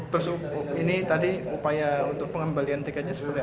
terus ini tadi upaya untuk pengembalian tiketnya seperti apa